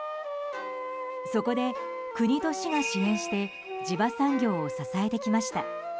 そこで、国と市が支援して地場産業を支えてきました。